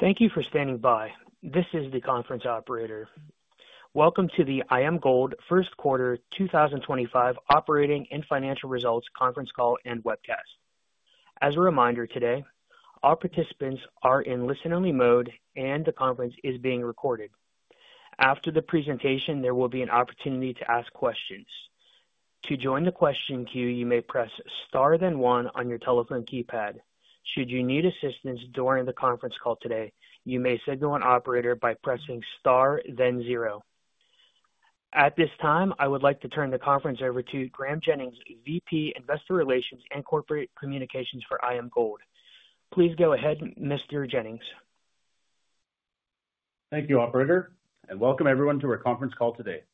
Thank you for standing by. This is the conference operator. Welcome to the IAMGOLD first quarter 2025 operating and financial results conference call and webcast. As a reminder today, all participants are in listen-only mode and the conference is being recorded. After the presentation, there will be an opportunity to ask questions. To join the question queue, you may press star then one on your telephone keypad. Should you need assistance during the conference call today, you may signal an operator by pressing star then zero. At this time, I would like to turn the conference over to Graeme Jennings, VP Investor Relations and Corporate Communications for IAMGOLD. Please go ahead, Mr. Jennings. Thank you, Operator, and welcome everyone to our conference call today.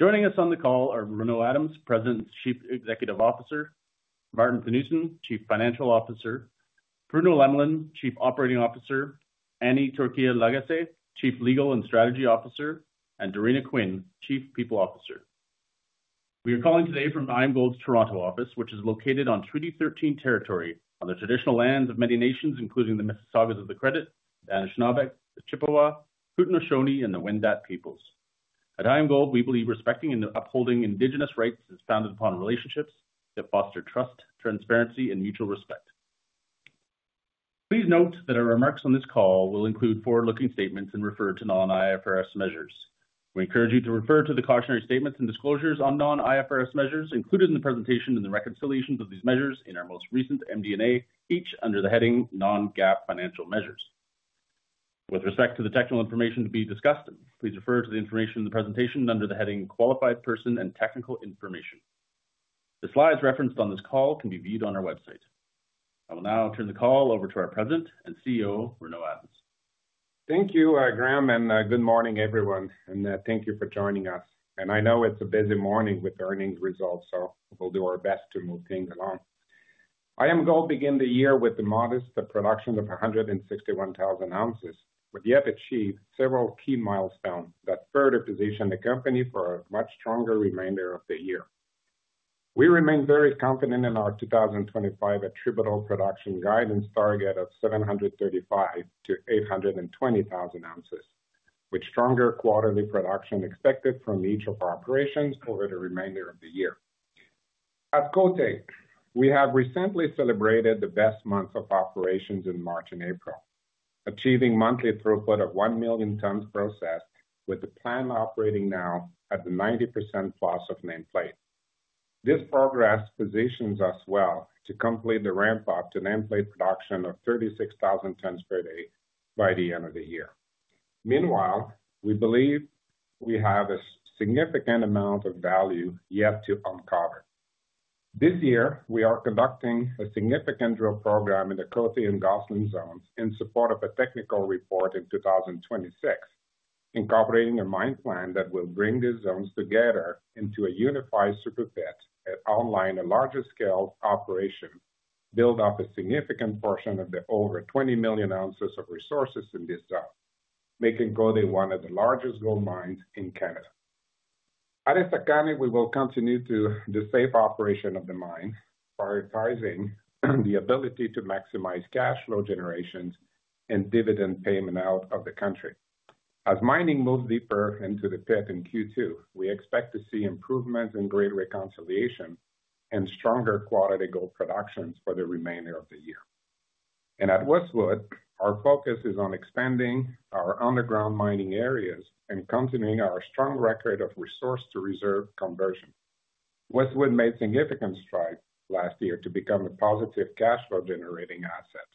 Joining us on the call are Renaud Adams, President and Chief Executive Officer; Maarten Theunissen, Chief Financial Officer; Bruno Lemelin, Chief Operating Officer; Annie Turquille Lagasse, Chief Legal and Strategy Officer; and Doreena Quinn, Chief People Officer. We are calling today from IAMGOLD's Toronto office, which is located on Treaty 13 territory on the traditional lands of many nations, including the Mississaugas of the Credit, the Anishinaabeg, the Chippewa, Haudenosaunee, and the Wendat peoples. At IAMGOLD, we believe respecting and upholding Indigenous rights is founded upon relationships that foster trust, transparency, and mutual respect. Please note that our remarks on this call will include forward-looking statements and refer to non-IFRS measures. We encourage you to refer to the cautionary statements and disclosures on non-IFRS measures included in the presentation and the reconciliations of these measures in our most recent MD&A, each under the heading Non-GAAP Financial Measures. With respect to the technical information to be discussed, please refer to the information in the presentation under the heading Qualified Person and Technical Information. The slides referenced on this call can be viewed on our website. I will now turn the call over to our President and CEO, Renaud Adams. Thank you, Graeme, and good morning, everyone. Thank you for joining us. I know it's a busy morning with earnings results, so we'll do our best to move things along. IAMGOLD began the year with a modest production of 161,000 ounces, but yet achieved several key milestones that further positioned the company for a much stronger remainder of the year. We remain very confident in our 2025 attributable production guidance target of 735,000-820,000 ounces, with stronger quarterly production expected from each of our operations over the remainder of the year. At Côté, we have recently celebrated the best months of operations in March and April, achieving monthly throughput of 1 million tons processed, with the plant operating now at 90%+ of nameplate. This progress positions us well to complete the ramp-up to nameplate production of 36,000 tons per day by the end of the year. Meanwhile, we believe we have a significant amount of value yet to uncover. This year, we are conducting a significant drill program in the Côté and Goslin zones in support of a technical report in 2026, incorporating a mine plan that will bring these zones together into a unified super pit and outline a larger scale operation, build up a significant portion of the over 20 million ounces of resources in this zone, making Côté one of the largest gold mines in Canada. At this time, we will continue the safe operation of the mine, prioritizing the ability to maximize cash flow generation and dividend payment out of the country. As mining moves deeper into the pit in Q2, we expect to see improvements in grade reconciliation and stronger quality gold productions for the remainder of the year. At Westwood, our focus is on expanding our underground mining areas and continuing our strong record of resource-to-reserve conversion. Westwood made significant strides last year to become a positive cash flow generating asset,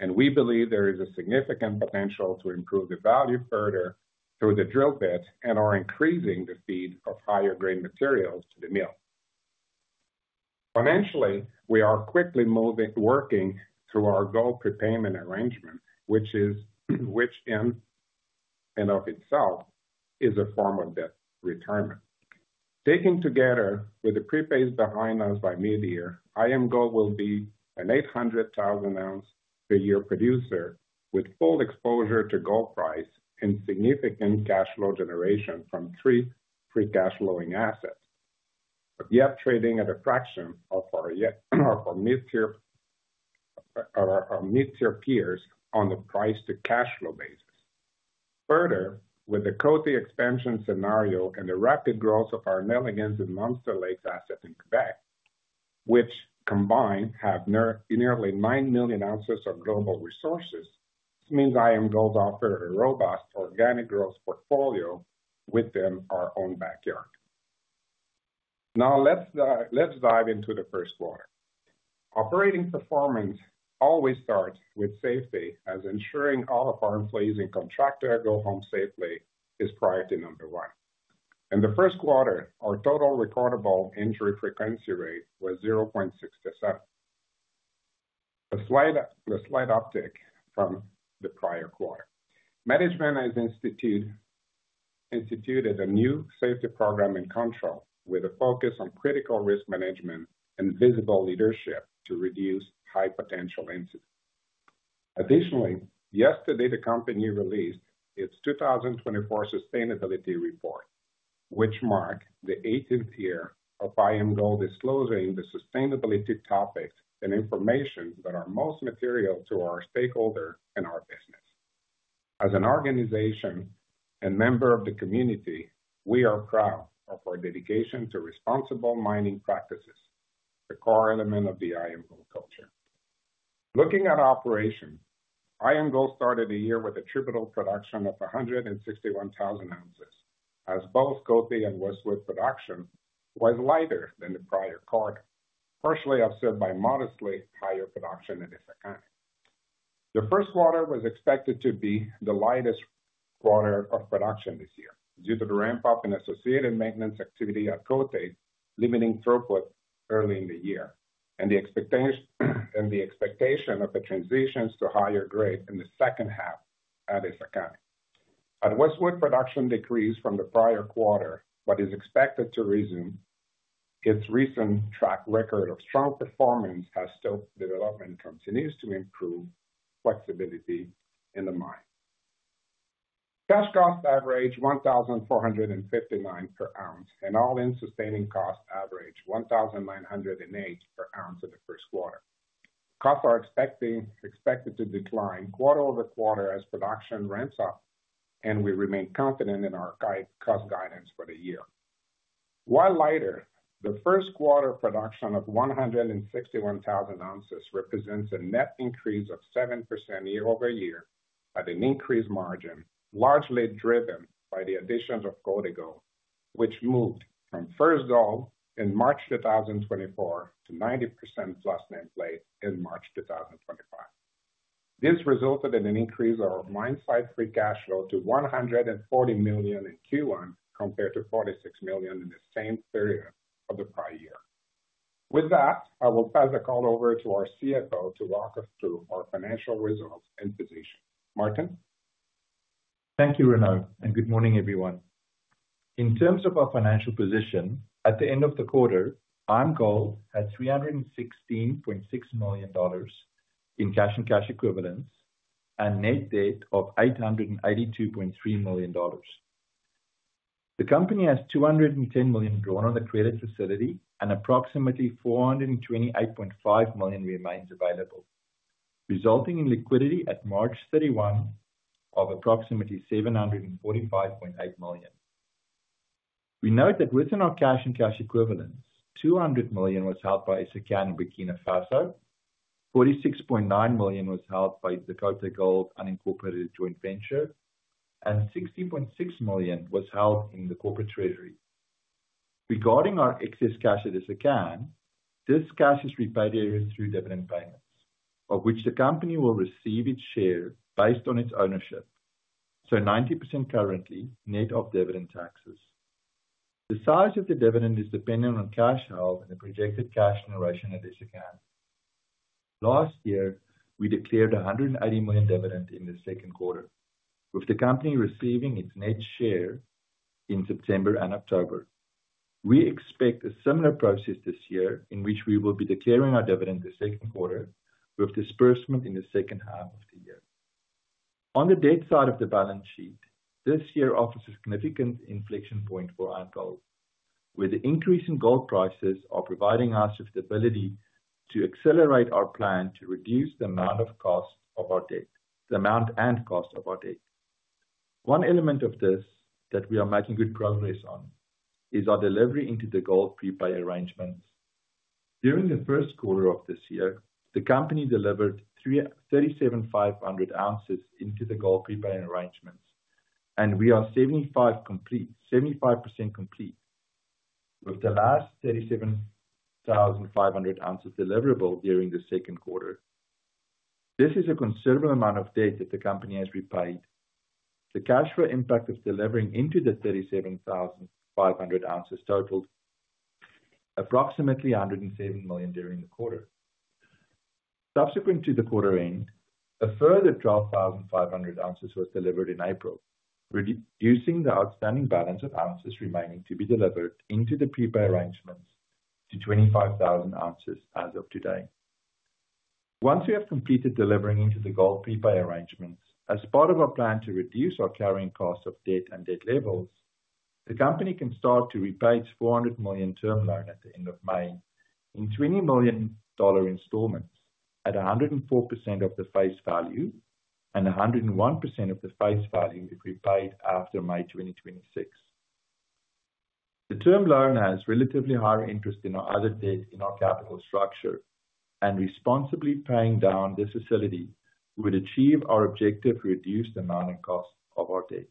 and we believe there is a significant potential to improve the value further through the drill pit and our increasing the feed of higher grade materials to the mill. Financially, we are quickly working through our gold prepayment arrangement, which in and of itself is a form of debt retirement. Taken together with the prepays behind us by mid-year, IAMGOLD will be an 800,000 ounce per year producer with full exposure to gold price and significant cash flow generation from three free cash flowing assets, yet trading at a fraction of our mid-tier peers on the price-to-cash flow basis. Further, with the Côté expansion scenario and the rapid growth of our Nelligan and Monster Lake asset in Quebec, which combined have nearly 9 million ounces of global resources, this means IAMGOLD offers a robust organic growth portfolio within our own backyard. Now let's dive into the first quarter. Operating performance always starts with safety, as ensuring all of our employees and contractors go home safely is priority number one. In the first quarter, our total recordable injury frequency rate was 0.67. A slight uptick from the prior quarter. Management has instituted a new safety program in control, with a focus on critical risk management and visible leadership to reduce high potential incidents. Additionally, yesterday, the company released its 2024 sustainability report, which marked the 18th year of IAMGOLD disclosing the sustainability topics and information that are most material to our stakeholders and our business. As an organization and member of the community, we are proud of our dedication to responsible mining practices, a core element of the IAMGOLD culture. Looking at operation, IAMGOLD started the year with attributable production of 161,000 ounces, as both Côté and Westwood production was lighter than the prior quarter, partially offset by modestly higher production at Essakane. The first quarter was expected to be the lightest quarter of production this year due to the ramp-up in associated maintenance activity at Côté, limiting throughput early in the year, and the expectation of a transition to higher grade in the second half at Essakane. At Westwood, production decreased from the prior quarter, but is expected to resume. Its recent track record of strong performance has stoked development and continues to improve flexibility in the mine. Cash cost averaged $1,459 per ounce, and all-in sustaining cost averaged $1,908 per ounce in the first quarter. Costs are expected to decline quarter over quarter as production ramps up, and we remain confident in our cost guidance for the year. While lighter, the first quarter production of 161,000 ounces represents a net increase of 7% year-over-year at an increased margin, largely driven by the additions of Côté, which moved from first gold in March 2024 to 90%+ nameplate in March 2025. This resulted in an increase of our mine site free cash flow to $140 million in Q1 compared to $46 million in the same period of the prior year. With that, I will pass the call over to our CFO to walk us through our financial results and position. Marthin? Thank you, Renaud, and good morning, everyone. In terms of our financial position, at the end of the quarter, IAMGOLD had $316.6 million in cash and cash equivalents and a net debt of $882.3 million. The company has $210 million drawn on the credit facility and approximately $428.5 million remains available, resulting in liquidity at March 31 of approximately $745.8 million. We note that within our cash and cash equivalents, $200 million was held by Essakane in Burkina Faso, $46.9 million was held by the Côté Gold Unincorporated Joint Venture, and $16.6 million was held in the corporate treasury. Regarding our excess cash at Essakane, this cash is repaid through dividend payments, of which the company will receive its share based on its ownership, so 90% currently net of dividend taxes. The size of the dividend is dependent on cash held and the projected cash generation at Essakane. Last year, we declared $180 million dividend in the second quarter, with the company receiving its net share in September and October. We expect a similar process this year in which we will be declaring our dividend the second quarter, with disbursement in the second half of the year. On the debt side of the balance sheet, this year offers a significant inflection point for IAMGOLD, where the increase in gold prices is providing us with the ability to accelerate our plan to reduce the amount and cost of our debt. One element of this that we are making good progress on is our delivery into the gold prepay arrangements. During the first quarter of this year, the company delivered 37,500 ounces into the gold prepay arrangements, and we are 75% complete, with the last 37,500 ounces deliverable during the second quarter. This is a considerable amount of debt that the company has repaid. The cash flow impact of delivering into the 37,500 ounces totaled approximately $107 million during the quarter. Subsequent to the quarter end, a further 12,500 ounces was delivered in April, reducing the outstanding balance of ounces remaining to be delivered into the prepay arrangements to 25,000 ounces as of today. Once we have completed delivering into the gold prepay arrangements, as part of our plan to reduce our carrying cost of debt and debt levels, the company can start to repay its $400 million term loan at the end of May in $20 million installments at 104% of the face value and 101% of the face value if repaid after May 2026. The term loan has relatively higher interest than our other debt in our capital structure, and responsibly paying down this facility would achieve our objective to reduce the amount and cost of our debt.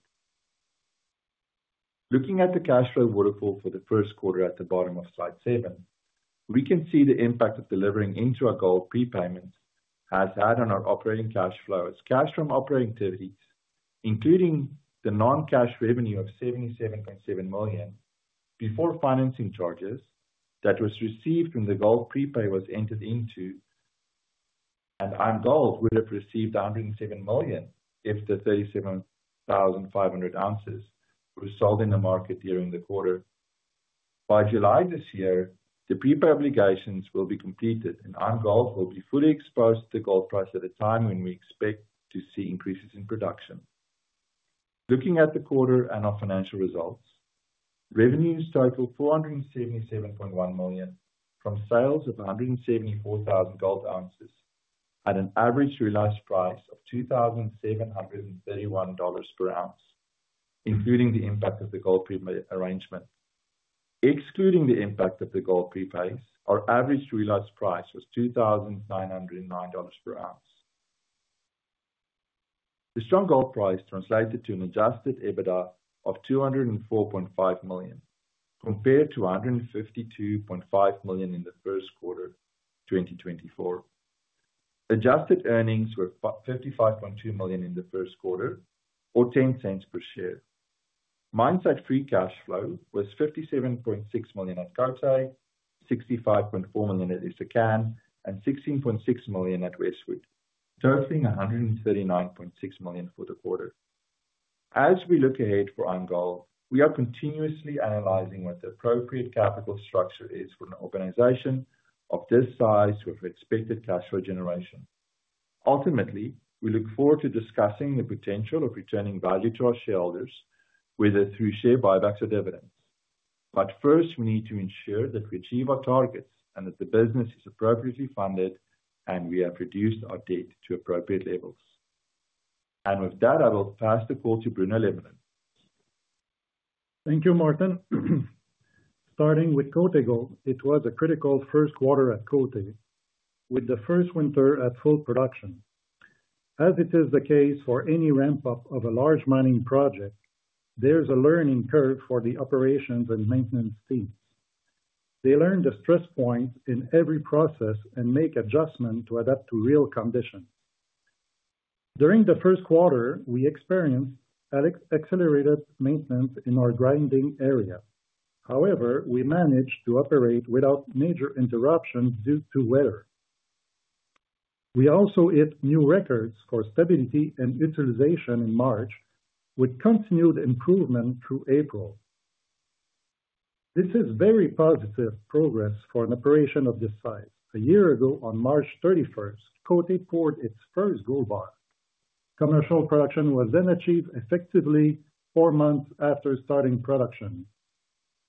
Looking at the cash flow waterfall for the first quarter at the bottom of slide seven, we can see the impact delivering into our gold prepayments has had on our operating cash flow as cash from operating activities, including the non-cash revenue of $77.7 million before financing charges that was received when the gold prepay was entered into, and IAMGOLD would have received $107 million if the 37,500 ounces were sold in the market during the quarter. By July this year, the prepay obligations will be completed, and IAMGOLD will be fully exposed to the gold price at a time when we expect to see increases in production. Looking at the quarter and our financial results, revenues total $477.1 million from sales of 174,000 gold ounces at an average realized price of $2,731 per ounce, including the impact of the gold prepay arrangement. Excluding the impact of the gold prepays, our average realized price was $2,909 per ounce. The strong gold price translated to an adjusted EBITDA of $204.5 million compared to $152.5 million in the first quarter 2024. Adjusted earnings were $55.2 million in the first quarter, or $0.10 per share. Mine site free cash flow was $57.6 million at Côté, $65.4 million at Essakane, and $16.6 million at Westwood, totaling $139.6 million for the quarter. As we look ahead for IAMGOLD, we are continuously analyzing what the appropriate capital structure is for an organization of this size with expected cash flow generation. Ultimately, we look forward to discussing the potential of returning value to our shareholders, whether through share buybacks or dividends. First, we need to ensure that we achieve our targets and that the business is appropriately funded and we have reduced our debt to appropriate levels. I will pass the call to Bruno Lemelin. Thank you, Maarten. Starting with Côté, it was a critical first quarter at Côté, with the first winter at full production. As it is the case for any ramp-up of a large mining project, there is a learning curve for the operations and maintenance teams. They learn the stress points in every process and make adjustments to adapt to real conditions. During the first quarter, we experienced accelerated maintenance in our grinding area. However, we managed to operate without major interruptions due to weather. We also hit new records for stability and utilization in March, with continued improvement through April. This is very positive progress for an operation of this size. A year ago, on March 31, Côté poured its first gold bar. Commercial production was then achieved effectively four months after starting production.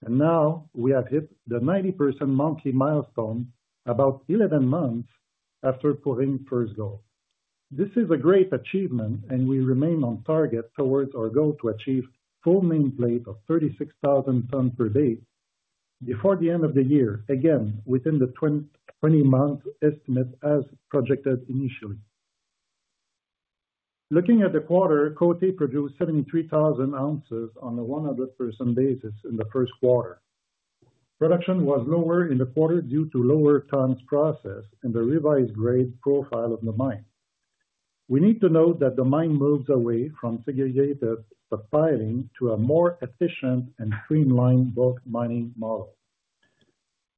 Now we have hit the 90% nameplate milestone about 11 months after pouring first gold. This is a great achievement, and we remain on target towards our goal to achieve full nameplate of 36,000 tons per day before the end of the year, again within the 20-month estimate as projected initially. Looking at the quarter, Côté produced 73,000 ounces on a 100% basis in the first quarter. Production was lower in the quarter due to lower tons processed and the revised grade profile of the mine. We need to note that the mine moves away from segregated stockpiling to a more efficient and streamlined gold mining model.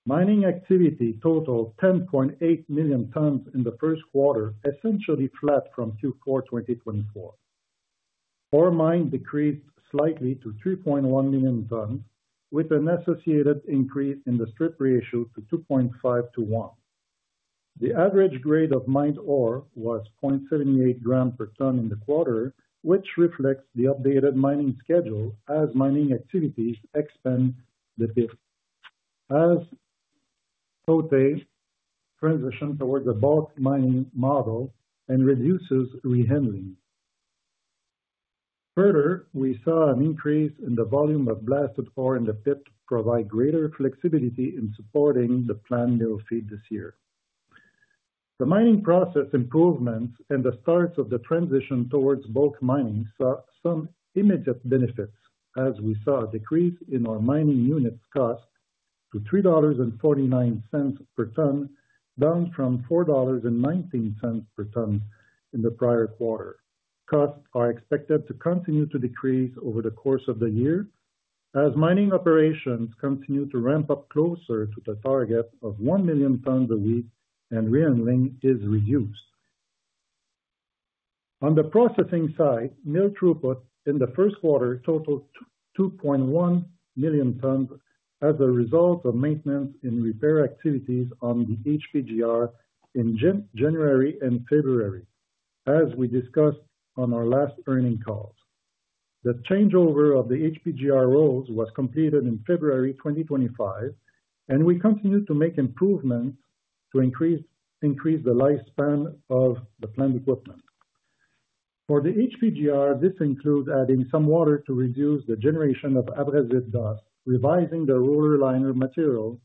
Mining activity totaled 10.8 million tons in the first quarter, essentially flat from Q4 2024. Ore mined decreased slightly to 3.1 million tons, with an associated increase in the strip ratio to 2.5:1. The average grade of mined ore was 0.78 g per ton in the quarter, which reflects the updated mining schedule as mining activities expand the pit as Côté transitions towards a bulk mining model and reduces rehandling. Further, we saw an increase in the volume of blasted ore in the pit to provide greater flexibility in supporting the planned mill feed this year. The mining process improvements and the start of the transition towards bulk mining saw some immediate benefits, as we saw a decrease in our mining unit cost to $3.49 per ton, down from $4.19 per ton in the prior quarter. Costs are expected to continue to decrease over the course of the year as mining operations continue to ramp up closer to the target of 1 million tons a week, and rehandling is reduced. On the processing side, mill throughput in the first quarter totaled 2.1 million tons as a result of maintenance and repair activities on the HPGR in January and February, as we discussed on our last earning calls. The changeover of the HPGR rolls was completed in February 2024, and we continue to make improvements to increase the lifespan of the planned equipment. For the HPGR, this includes adding some water to reduce the generation of abrasive dust, revising the roller liner material,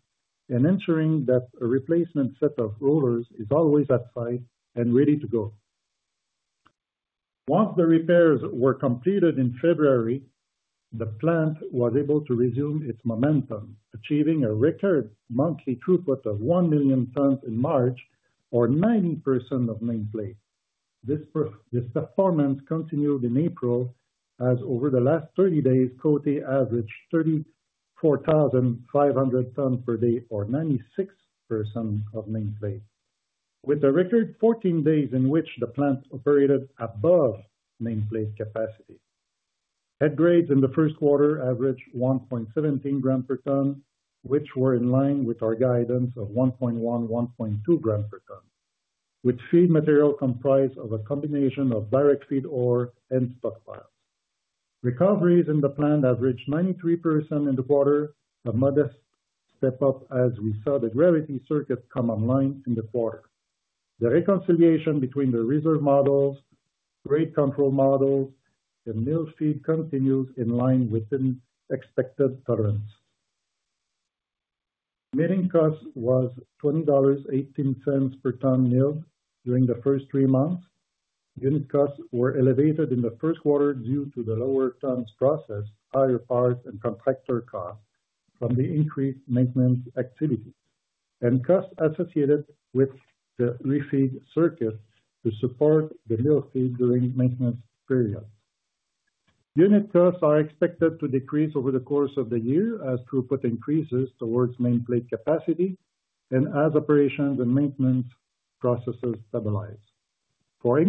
and ensuring that a replacement set of rollers is always at site and ready to go. Once the repairs were completed in February, the plant was able to resume its momentum, achieving a record monthly throughput of 1 million tons in March, or 90% of nameplate. This performance continued in April, as over the last 30 days, Côté averaged 34,500 tons per day, or 96% of nameplate, with a record 14 days in which the plant operated above nameplate capacity. Head grades in the first quarter averaged 1.17g per ton, which were in line with our guidance of 1.1 g-1.2 g per ton, with feed material comprised of a combination of direct feed ore and stockpiles. Recoveries in the plant averaged 93% in the quarter, a modest step up as we saw the gravity circuit come online in the quarter. The reconciliation between the reserve models, grade control models, and mill feed continues in line with the expected tolerance. Milling cost was $20.18 per ton milled during the first three months. Unit costs were elevated in the first quarter due to the lower tons processed, higher parts, and contractor costs from the increased maintenance activities, and costs associated with the refeed circuit to support the mill feed during maintenance periods. Unit costs are expected to decrease over the course of the year as throughput increases towards nameplate capacity and as operations and maintenance processes stabilize. For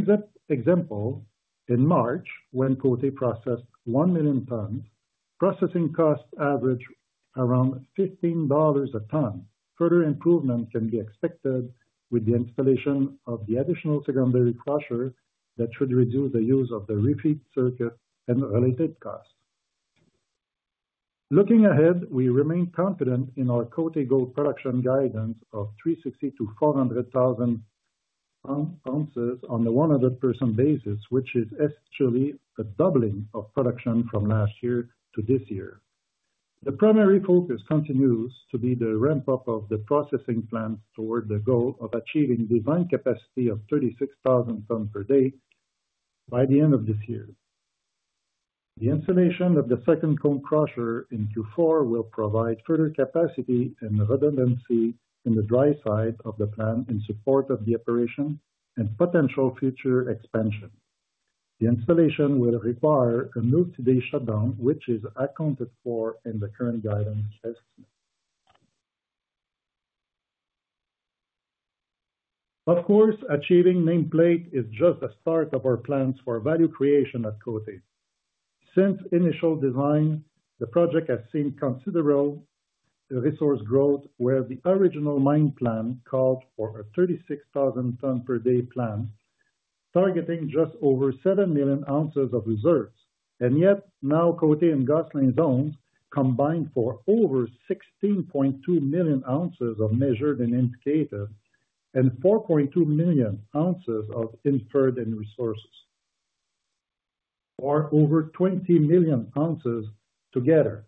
example, in March, when Côté processed 1 million tons, processing costs averaged around $15 a ton. Further improvements can be expected with the installation of the additional secondary crusher that should reduce the use of the refeed circuit and related costs. Looking ahead, we remain confident in our Côté gold production guidance of 360,000-400,000 ounces on a 100% basis, which is essentially a doubling of production from last year to this year. The primary focus continues to be the ramp-up of the processing plant toward the goal of achieving design capacity of 36,000 tons per day by the end of this year. The installation of the second cone crusher in Q4 will provide further capacity and redundancy in the dry side of the plant in support of the operation and potential future expansion. The installation will require a multi-day shutdown, which is accounted for in the current guidance estimate. Of course, achieving nameplate is just the start of our plans for value creation at Côté. Since initial design, the project has seen considerable resource growth, where the original mine plan called for a 36,000-ton-per-day plant, targeting just over 7 million ounces of reserves. Yet, now Côté and Gosselin zones combined for over 16.2 million ounces of measured and indicated, and 4.2 million ounces of inferred resources, or over 20 million ounces together.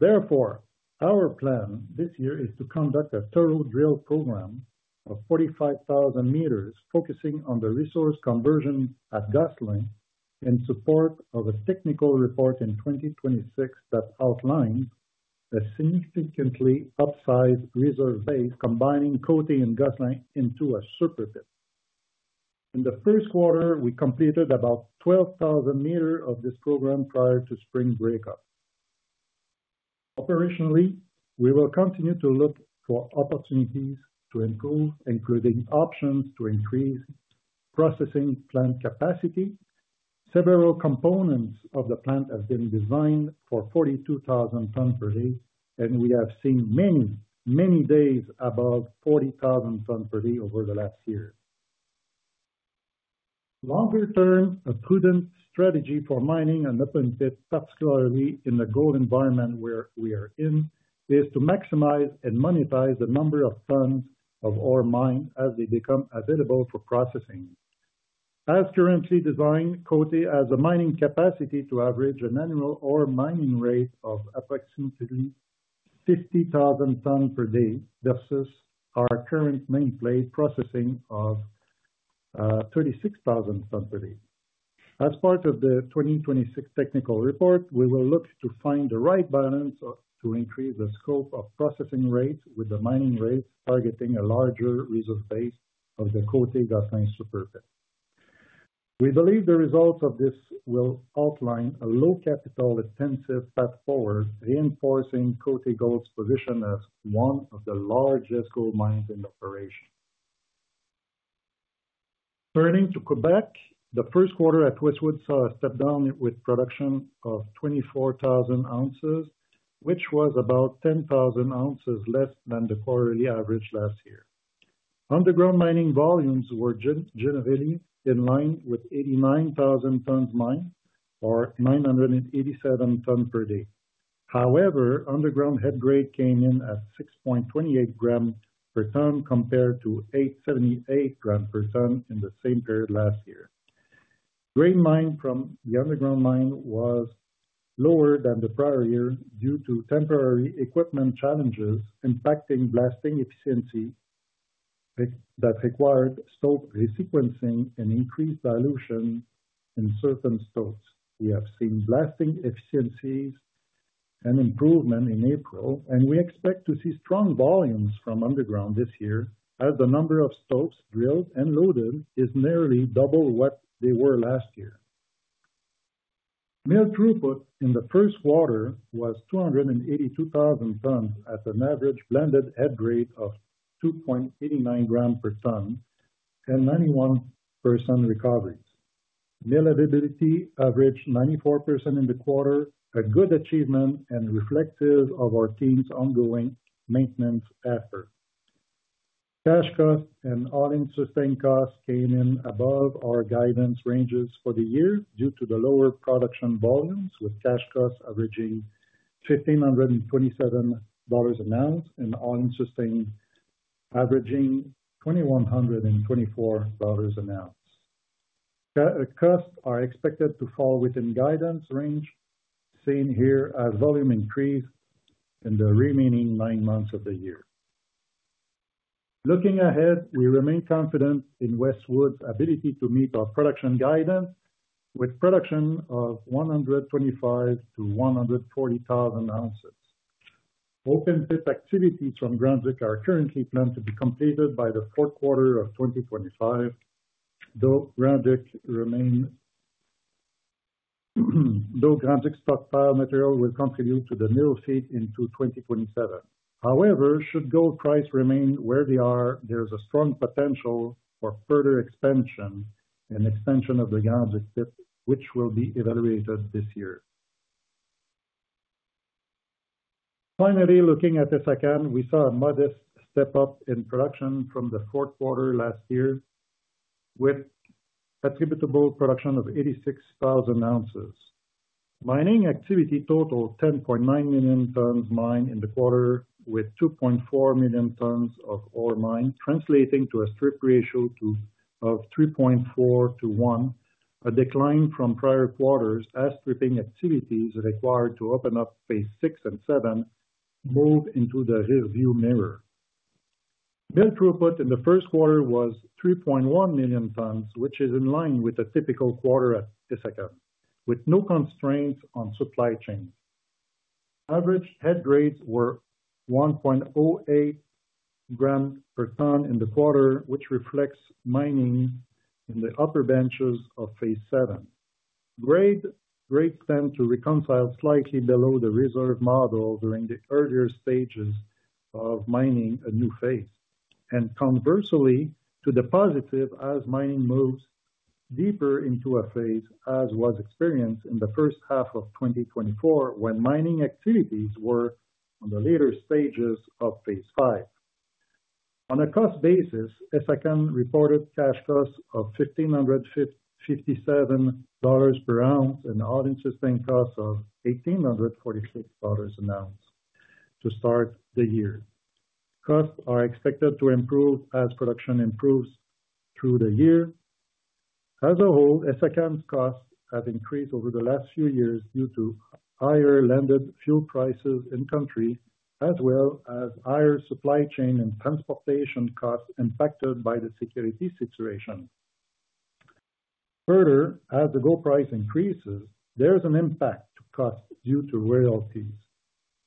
Therefore, our plan this year is to conduct a thorough drill program of 45,000 m focusing on the resource conversion at Gosselin in support of a technical report in 2026 that outlines a significantly upsized reserve base, combining Côté and Gosselin into a superpit. In the first quarter, we completed about 12,000 m of this program prior to spring breakup. Operationally, we will continue to look for opportunities to improve, including options to increase processing plant capacity. Several components of the plant have been designed for 42,000 tons per day, and we have seen many, many days above 40,000 tons per day over the last year. Longer term, a prudent strategy for mining and open pit, particularly in the gold environment where we are in, is to maximize and monetize the number of tons of ore mined as they become available for processing. As currently designed, Côté has a mining capacity to average an annual ore mining rate of approximately 50,000 tons per day versus our current nameplate processing of 36,000 tons per day. As part of the 2026 technical report, we will look to find the right balance to increase the scope of processing rates with the mining rates targeting a larger reserve base of the Côté Gosling super pit. We believe the results of this will outline a low-capital intensive path forward, reinforcing Côté Gold's position as one of the largest gold mines in the operation. Turning to Quebec, the first quarter at Westwood saw a step down with production of 24,000 ounces, which was about 10,000 ounces less than the quarterly average last year. Underground mining volumes were generally in line with 89,000 tons mined, or 987 tons per day. However, underground head grade came in at 6.28 g per ton compared to 8.78 g per ton in the same period last year. Grade mined from the underground mine was lower than the prior year due to temporary equipment challenges impacting blasting efficiency that required stope re-sequencing and increased dilution in certain stopes. We have seen blasting efficiencies and improvement in April, and we expect to see strong volumes from underground this year as the number of stopes drilled and loaded is nearly double what they were last year. Mill throughput in the first quarter was 282,000 tons at an average blended head grade of 2.89 g per ton and 91% recoveries. Mill availability averaged 94% in the quarter, a good achievement and reflective of our team's ongoing maintenance effort. Cash costs and all-in sustaining costs came in above our guidance ranges for the year due to the lower production volumes, with cash costs averaging $1,527 an ounce and all-in sustaining averaging $2,124 an ounce. Costs are expected to fall within guidance range, seen here as volume increase in the remaining nine months of the year. Looking ahead, we remain confident in Westwood's ability to meet our production guidance with production of 125,000-140,000 ounces. Open pit activities from Grand Duc are currently planned to be completed by the fourth quarter of 2025, though Grand Duc stockpile material will contribute to the mill feed into 2027. However, should gold price remain where they are, there is a strong potential for further expansion and extension of the Grand Duc pit, which will be evaluated this year. Finally, looking at Essakane, we saw a modest step up in production from the fourth quarter last year, with attributable production of 86,000 ounces. Mining activity totaled 10.9 million tons mined in the quarter, with 2.4 million tons of ore mined, translating to a strip ratio of 3.4:1, a decline from prior quarters as stripping activities required to open up phase six and seven moved into the rearview mirror. Mill throughput in the first quarter was 3.1 million tons, which is in line with a typical quarter at Essakane, with no constraints on supply chain. Average head grades were 1.08 g per ton in the quarter, which reflects mining in the upper benches of phase seven. Grade spend to reconcile slightly below the reserve model during the earlier stages of mining a new phase. Conversely, to the positive as mining moves deeper into a phase, as was experienced in the first half of 2024, when mining activities were on the later stages of phase five. On a cost basis, Essakane reported cash cost of $1,557 per ounce and all-in sustaining costs of $1,846 an ounce to start the year. Costs are expected to improve as production improves through the year. As a whole, Essakane costs have increased over the last few years due to higher landed fuel prices in country, as well as higher supply chain and transportation costs impacted by the security situation. Further, as the gold price increases, there is an impact to costs due to royalties.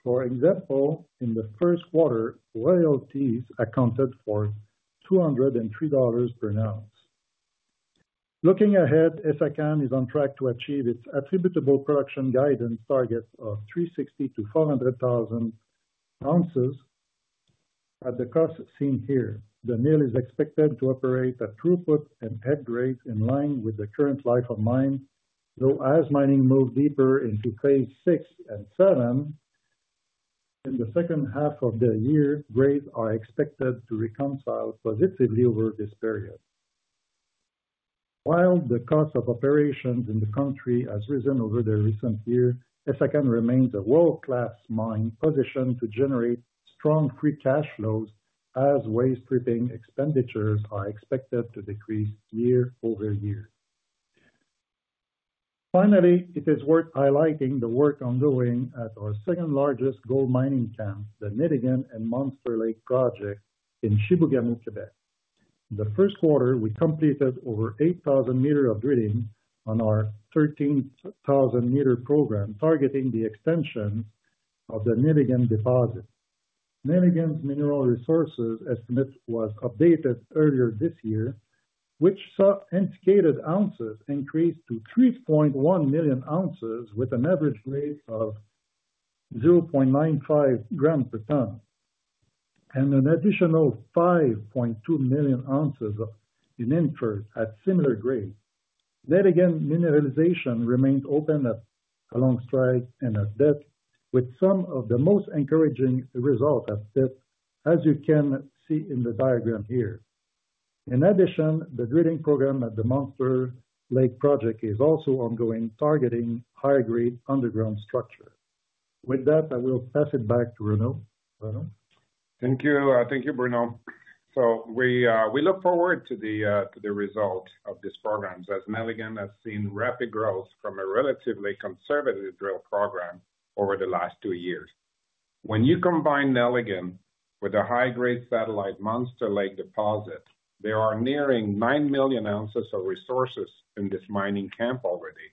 For example, in the first quarter, royalties accounted for $203 per ounce. Looking ahead, Essakane is on track to achieve its attributable production guidance target of 360,000-400,000 ounces at the cost seen here. The mill is expected to operate at throughput and head grade in line with the current life of mine, though as mining moves deeper into phase six and seven, in the second half of the year, grades are expected to reconcile positively over this period. While the cost of operations in the country has risen over the recent year, Essakane remains a world-class mine positioned to generate strong free cash flows as waste stripping expenditures are expected to decrease year-over-year. Finally, it is worth highlighting the work ongoing at our second largest gold mining camp, the Nelligan and Monster Lake project in Chibougamau, Quebec. In the first quarter, we completed over 8,000 meters of drilling on our 13,000-meter program, targeting the extension of the Nelligan deposit. Nelligan's mineral resources estimate was updated earlier this year, which saw indicated ounces increased to 3.1 million ounces with an average grade of 0.95 g per ton, and an additional 5.2 million ounces in inferred at similar grade. Nelligan mineralization remained open along strike and at depth, with some of the most encouraging results at depth, as you can see in the diagram here. In addition, the drilling program at the Monster Lake project is also ongoing, targeting higher grade underground structure. With that, I will pass it back to Bruno. Thank you. Thank you, Bruno. We look forward to the results of these programs as Nelligan has seen rapid growth from a relatively conservative drill program over the last two years. When you combine Nelligan with a high-grade satellite Monster Lake deposit, there are nearing 9 million ounces of resources in this mining camp already,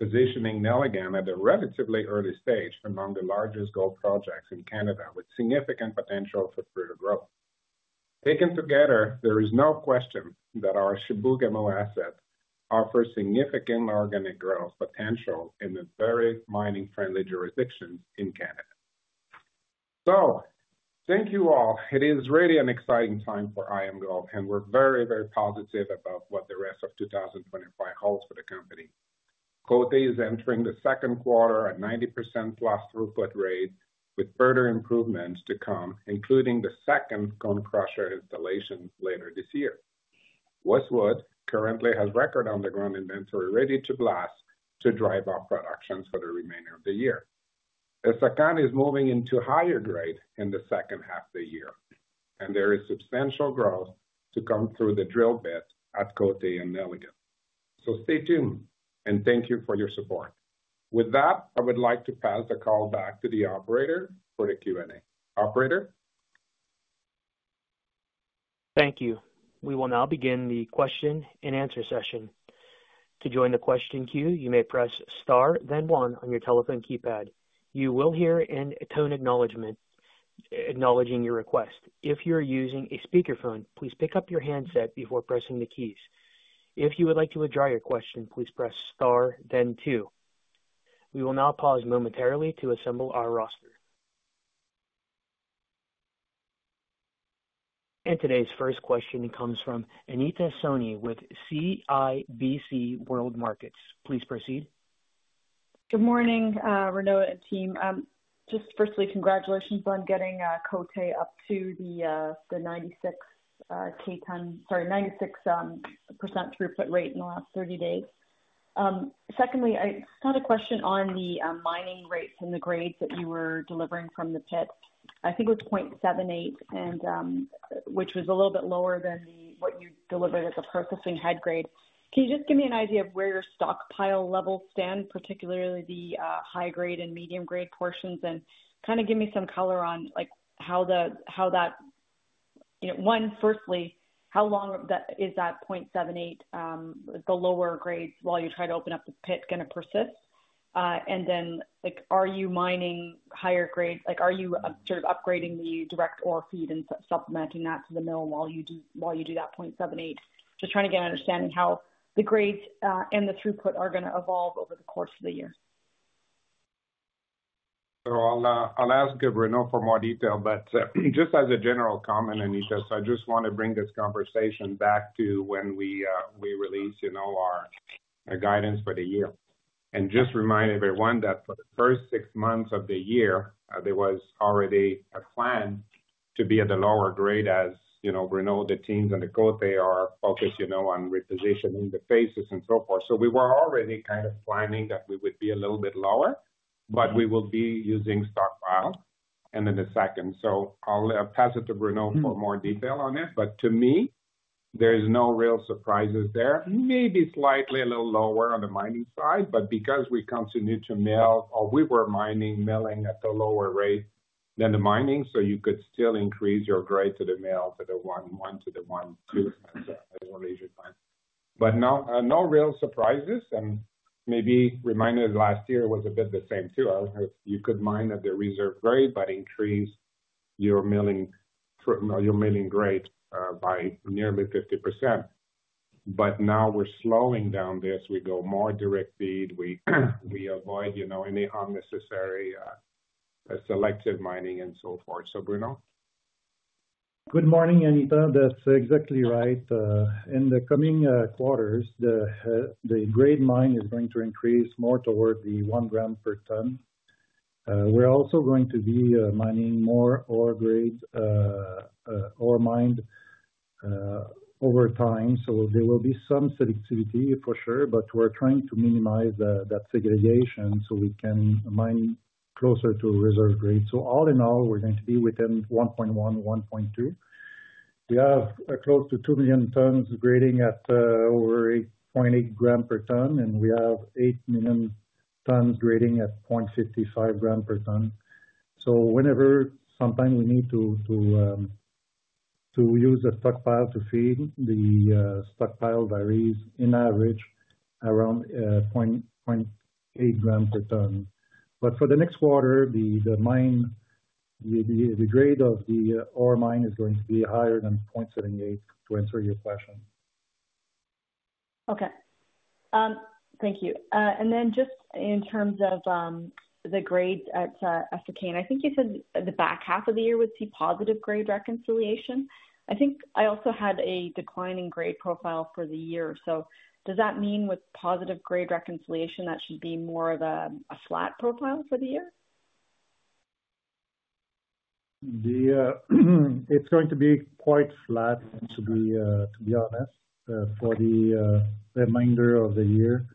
positioning Nelligan at a relatively early stage among the largest gold projects in Canada, with significant potential for further growth. Taken together, there is no question that our Chibougamau asset offers significant organic growth potential in the very mining-friendly jurisdictions in Canada. Thank you all. It is really an exciting time for IAMGOLD, and we're very, very positive about what the rest of 2025 holds for the company. Côté is entering the second quarter at 90%+ throughput rate, with further improvements to come, including the second cone crusher installation later this year. Westwood currently has record underground inventory ready to blast to drive up production for the remainder of the year. The second is moving into higher grade in the second half of the year, and there is substantial growth to come through the drill bit at Côté and Nelligan. Stay tuned, and thank you for your support. With that, I would like to pass the call back to the operator for the Q&A. Operator. Thank you. We will now begin the question and answer session. To join the question queue, you may press star, then one on your telephone keypad. You will hear a tone acknowledgment acknowledging your request. If you're using a speakerphone, please pick up your handset before pressing the keys. If you would like to withdraw your question, please press star, then two. We will now pause momentarily to assemble our roster. Today's first question comes from Anita Soni with CIBC World Markets. Please proceed. Good morning, Renaud and team. Just firstly, congratulations on getting Côté up to the 96% throughput rate in the last 30 days. Secondly, it's not a question on the mining rates and the grades that you were delivering from the pit. I think it was 0.78, which was a little bit lower than what you delivered at the processing head grade. Can you just give me an idea of where your stockpile levels stand, particularly the high-grade and medium-grade portions, and kind of give me some color on how that, one, firstly, how long is that 0.78, the lower grades, while you try to open up the pit going to persist? And then are you mining higher grade? Are you sort of upgrading the direct ore feed and supplementing that to the mill while you do that 0.78? Just trying to get an understanding how the grades and the throughput are going to evolve over the course of the year. I'll ask Renaud for more detail, but just as a general comment, Anita, I just want to bring this conversation back to when we release our guidance for the year. I just want to remind everyone that for the first six months of the year, there was already a plan to be at the lower grade as Renaud, the teams, and the Côté are focused on repositioning the phases and so forth. We were already kind of planning that we would be a little bit lower, but we will be using stockpile and then the second. I'll pass it to Renaud for more detail on it. To me, there's no real surprises there. Maybe slightly a little lower on the mining side, but because we continue to mill, or we were mining, milling at the lower rate than the mining, you could still increase your grade to the mill to the 1, 1 to the 1, 2, and so forth as well as you can. No real surprises. Maybe reminding last year was a bit the same too. You could mine at the reserve grade, but increase your milling grade by nearly 50%. Now we're slowing down this. We go more direct feed. We avoid any unnecessary selective mining and so forth. Bruno? Good morning, Anita. That's exactly right. In the coming quarters, the grade mine is going to increase more toward the 1 gram per ton. We're also going to be mining more ore grade, ore mined over time. There will be some selectivity for sure, but we're trying to minimize that segregation so we can mine closer to reserve grade. All in all, we're going to be within 1.1-1.2. We have close to 2 million tons grading at over 8.8 gram per ton, and we have 8 million tons grading at 0.55 gram per ton. Whenever sometime we need to use the stockpile to feed, the stockpile varies in average around 0.8 gram per ton. For the next quarter, the grade of the ore mined is going to be higher than 0.78, to answer your question. Okay. Thank you. In terms of the grade at Essakane, I think you said the back half of the year would see positive grade reconciliation. I think I also had a declining grade profile for the year. Does that mean with positive grade reconciliation, that should be more of a flat profile for the year? It is going to be quite flat, to be honest. For the remainder of the year,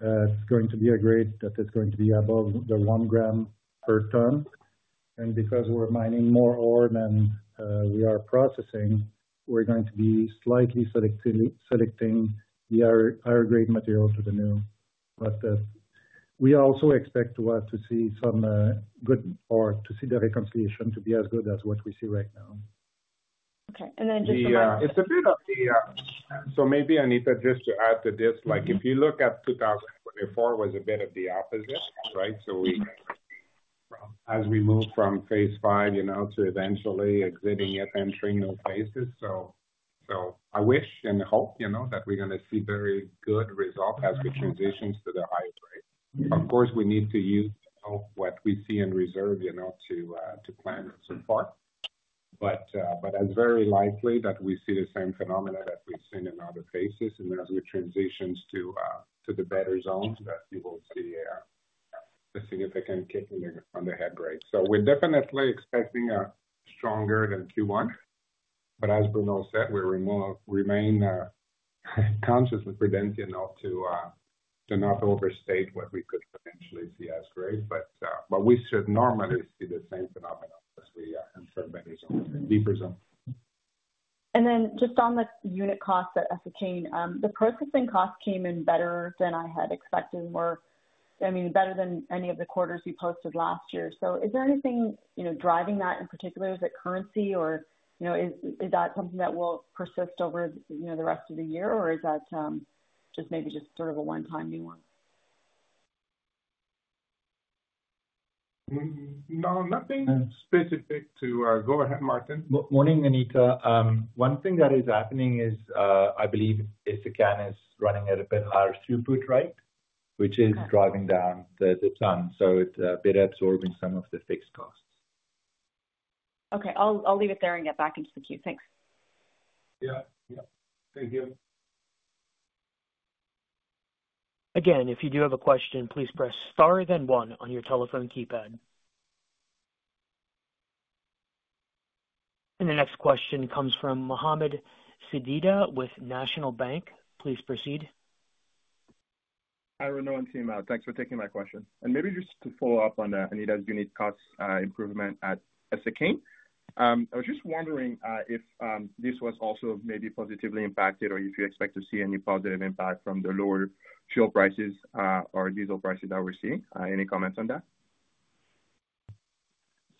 it is going to be a grade that is going to be above the 1 gram per ton. Because we are mining more ore than we are processing, we are going to be slightly selecting the higher grade material to the new. We also expect to see some good ore to see the reconciliation to be as good as what we see right now. Okay. Just a little bit of the—yeah, it is a bit of the—maybe, Anita, just to add to this, if you look at 2024, it was a bit of the opposite, right? As we move from phase five to eventually exiting it, entering new phases. I wish and hope that we're going to see very good results as we transition to the higher grade. Of course, we need to use what we see in reserve to plan so far. It is very likely that we see the same phenomena that we've seen in other cases. As we transition to the better zones, we will see a significant kick in the head grade. We are definitely expecting a stronger than Q1. As Bruno said, we remain conscious and prudent enough to not overstate what we could potentially see as grade. We should normally see the same phenomena as we enter better zones, deeper zones. Just on the unit costs at Essakane, the processing costs came in better than I had expected, I mean, better than any of the quarters you posted last year. Is there anything driving that in particular? Is it currency, or is that something that will persist over the rest of the year, or is that just maybe just sort of a one-time new one? No, nothing specific to—go ahead, Maarten. Morning, Anita. One thing that is happening is I believe Essakane is running at a bit higher throughput rate, which is driving down the ton. So it is a bit absorbing some of the fixed costs. Okay. I will leave it there and get back into the queue. Thanks. Y Yeah. Thank you. Again, if you do have a question, please press star, then one on your telephone keypad. The next question comes from Mohamed Sidibe with National Bank. Please proceed. Hi, Renaud and team. Thanks for taking my question. Maybe just to follow up on that, Anita, you need cost improvement at Essakane. I was just wondering if this was also maybe positively impacted or if you expect to see any positive impact from the lower fuel prices or diesel prices that we're seeing. Any comments on that?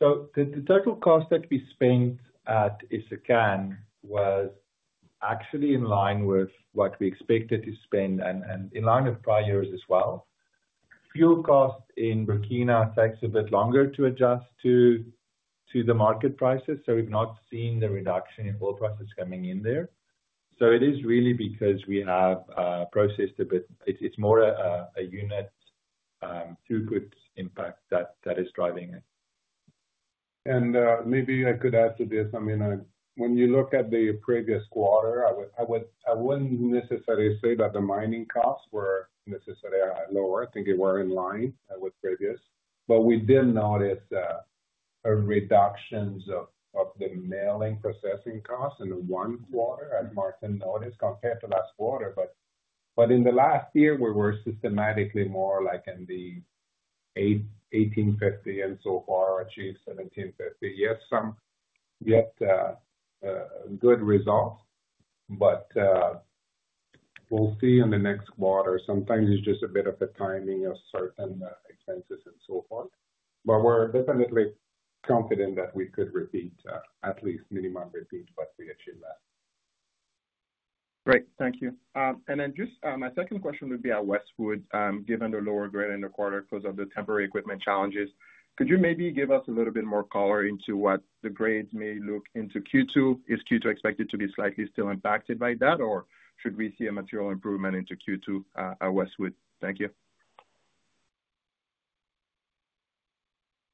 The total cost that we spent at Essakane was actually in line with what we expected to spend and in line with prior years as well. Fuel cost in Burkina takes a bit longer to adjust to the market prices. We've not seen the reduction in oil prices coming in there. It is really because we have processed a bit; it's more a unit throughput impact that is driving it. Maybe I could add to this. I mean, when you look at the previous quarter, I wouldn't necessarily say that the mining costs were necessarily lower. I think they were in line with previous. We did notice reductions of the milling processing costs in the one quarter, as Maarten noticed, compared to last quarter. In the last year, we were systematically more like in the $1,850 and so far achieved $1,750. Yes, some good results, but we'll see in the next quarter. Sometimes it's just a bit of a timing of certain expenses and so forth. We're definitely confident that we could repeat, at least minimum repeat, what we achieved last. Great. Thank you. My second question would be at Westwood, given the lower grade in the quarter because of the temporary equipment challenges. Could you maybe give us a little bit more color into what the grades may look into Q2? Is Q2 expected to be slightly still impacted by that, or should we see a material improvement into Q2 at Westwood? Thank you.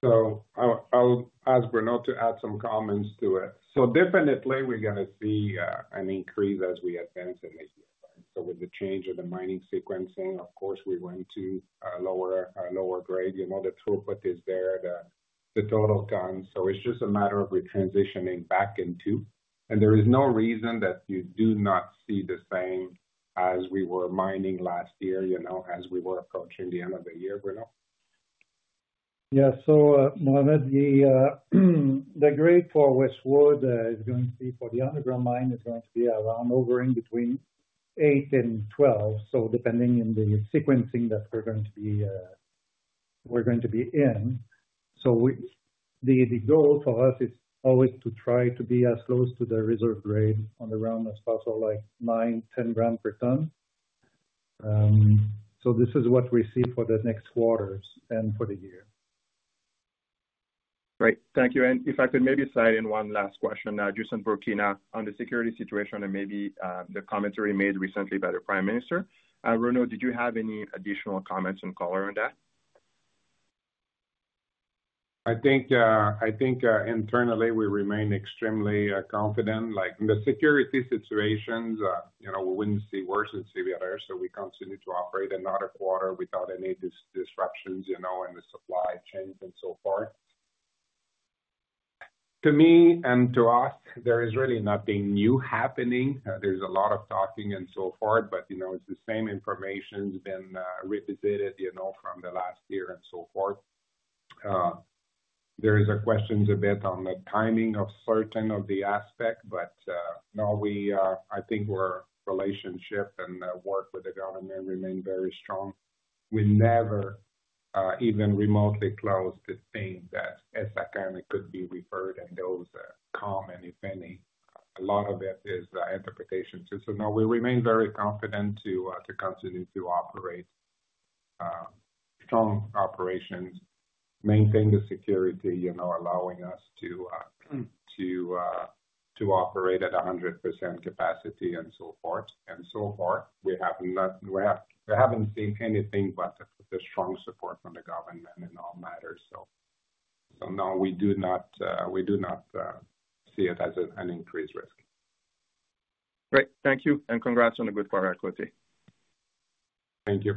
I'll ask Bruno to add some comments to it. Definitely, we're going to see an increase as we advance in the year. With the change of the mining sequencing, of course, we went to lower grade. The throughput is there, the total ton. It's just a matter of we're transitioning back into. There is no reason that you do not see the same as we were mining last year as we were approaching the end of the year, Bruno. Yeah. Mohamed, the grade for Westwood is going to be for the underground mine is going to be around over in between 8 and 12. Depending on the sequencing that we're going to be in. The goal for us is always to try to be as close to the reserve grade on the ground as possible, like 9 g, 10 g per ton. This is what we see for the next quarters and for the year. Great. Thank you. If I could maybe slide in one last question now, just on Burkina on the security situation and maybe the commentary made recently by the Prime Minister. Bruno, did you have any additional comments and color on that? I think internally, we remain extremely confident. The security situations, we would not see worse than severe error. We continue to operate another quarter without any disruptions in the supply chains and so forth. To me and to us, there is really nothing new happening. There is a lot of talking and so forth, but it is the same information that has been revisited from the last year and so forth. There is a question a bit on the timing of certain of the aspect, but no, I think our relationship and work with the government remained very strong. We never even remotely closed the thing that Essakane could be referred and those common, if any. A lot of it is interpretation. No, we remain very confident to continue to operate strong operations, maintain the security, allowing us to operate at 100% capacity and so forth. We have not seen anything but the strong support from the government in all matters. No, we do not see it as an increased risk. Great. Thank you. And congrats on a good quarter at Côté. Thank you.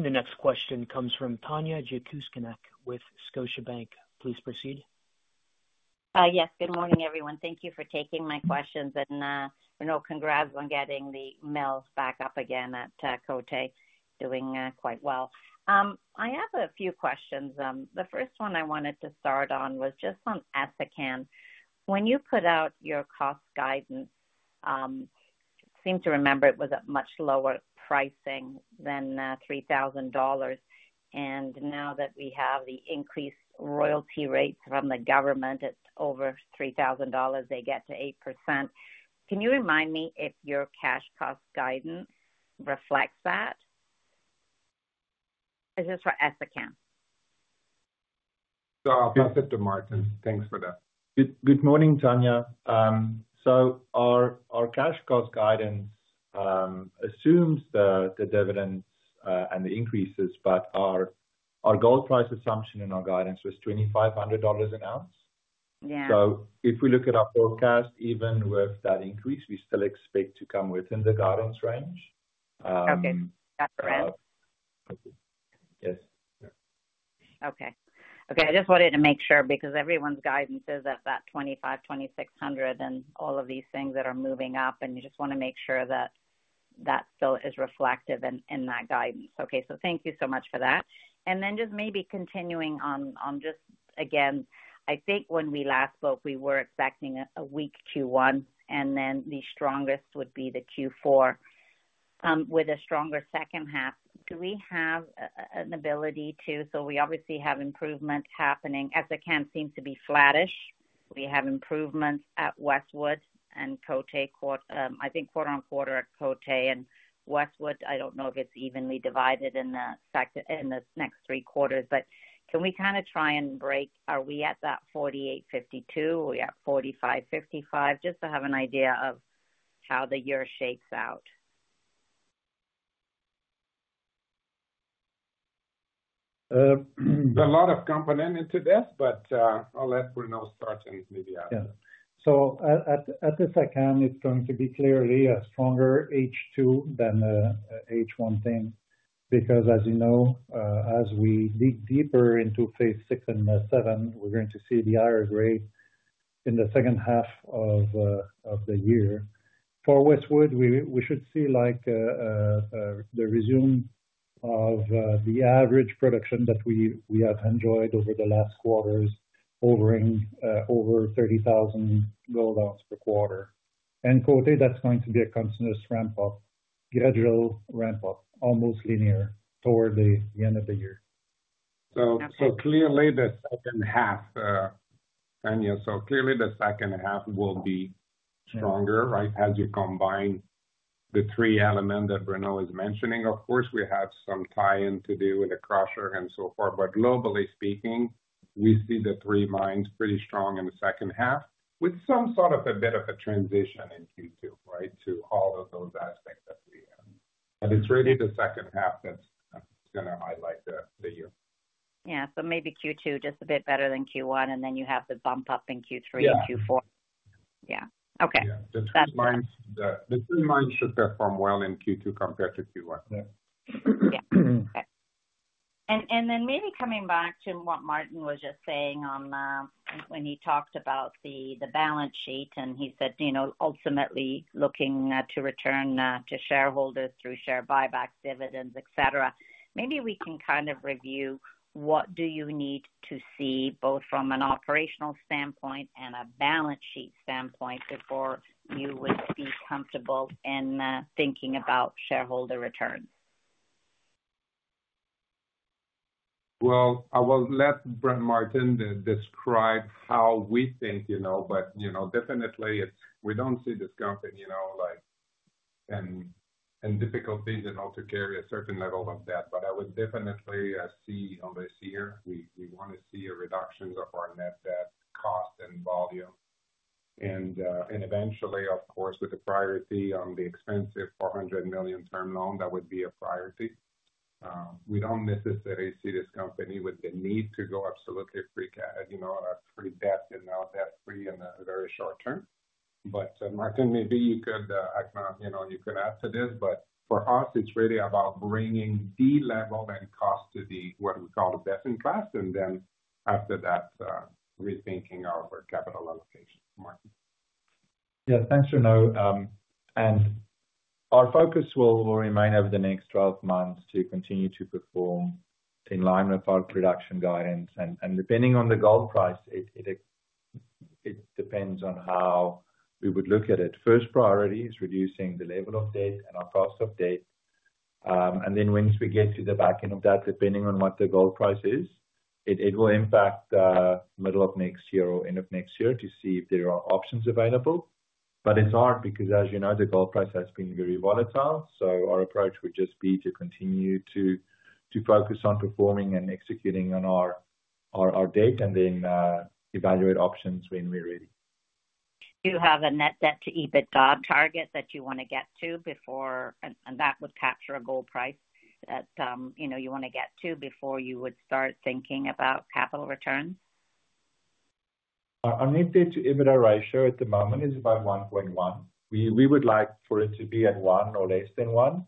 The next question comes from Tanya Jakusconek with Scotiabank. Please proceed. Yes. Good morning, everyone. Thank you for taking my questions. Renaud, congrats on getting the mills back up again at Côté, doing quite well. I have a few questions. The first one I wanted to start on was just on Essakane. When you put out your cost guidance, I seem to remember it was at much lower pricing than $3,000. And now that we have the increased royalty rates from the government, it is over $3,000. They get to 8%. Can you remind me if your cash cost guidance reflects that? This is for Essakane. I will pass it to Maarten. Thanks for that. Good morning, Tanya. Our cash cost guidance assumes the dividends and the increases, but our gold price assumption in our guidance was $2,500 an ounce. If we look at our forecast, even with that increase, we still expect to come within the guidance range. Okay. That is around. Yes. Okay. Okay. I just wanted to make sure because everyone's guidance is at that 2,500, 2,600, and all of these things that are moving up, and you just want to make sure that that still is reflective in that guidance. Okay. Thank you so much for that. Just maybe continuing on, just again, I think when we last spoke, we were expecting a weak Q1, and then the strongest would be the Q4 with a stronger second half. Do we have an ability to—so we obviously have improvement happening. Essakane seems to be flattish. We have improvements at Westwood and Côté. I think quarter on quarter at Côté and Westwood. I do not know if it is evenly divided in the next three quarters, but can we kind of try and break—are we at that 48-52? Are we at 45-55? Just to have an idea of how the year shakes out. There's a lot of components into this, but I'll let Bruno start and maybe add to that. At Essakane, it's going to be clearly a stronger H2 than the H1 thing because, as you know, as we dig deeper into phase six and seven, we're going to see the higher grade in the second half of the year. For Westwood, we should see the resume of the average production that we have enjoyed over the last quarters, over 30,000 gold ounce per quarter. And Côté, that's going to be a continuous ramp-up, gradual ramp-up, almost linear toward the end of the year. Clearly, the second half, Tanya, clearly the second half will be stronger, right, as you combine the three elements that Bruno is mentioning. Of course, we have some tie-in to do with the crusher and so forth. Globally speaking, we see the three mines pretty strong in the second half with some sort of a bit of a transition in Q2, right, to all of those aspects that we have. It is really the second half that is going to highlight the year. Yeah. Maybe Q2 just a bit better than Q1, and then you have the bump-up in Q3 and Q4. Yeah. Yeah. Okay. The three mines should perform well in Q2 compared to Q1. Yeah. Okay. Maybe coming back to what Maarten was just saying when he talked about the balance sheet, and he said, ultimately, looking to return to shareholders through share buyback, dividends, etc., maybe we can kind of review what do you need to see both from an operational standpoint and a balance sheet standpoint before you would be comfortable in thinking about shareholder returns. I will let Maarten describe how we think, but definitely, we do not see this company in difficulties in order to carry a certain level of debt. I would definitely say this year, we want to see a reduction of our net debt cost and volume. Eventually, of course, with the priority on the expensive $400 million term loan, that would be a priority. We do not necessarily see this company with the need to go absolutely debt-free in the very short term. Maarten, maybe you could add to this, but for us, it is really about bringing the level and cost to what we call the best in class, and then after that, rethinking our capital allocation. Yeah. Thanks, Renaud. Our focus will remain over the next 12 months to continue to perform in line with our production guidance. Depending on the gold price, it depends on how we would look at it. First priority is reducing the level of debt and our cost of debt. Once we get to the back end of that, depending on what the gold price is, it will impact the middle of next year or end of next year to see if there are options available. It is hard because, as you know, the gold price has been very volatile. Our approach would just be to continue to focus on performing and executing on our debt and then evaluate options when we are ready. Do you have a net debt-to-EBITDA target that you want to get to before, and that would capture a gold price that you want to get to before you would start thinking about capital returns? Our net debt-to-EBITDA ratio at the moment is about 1.1. We would like for it to be at one or less than one.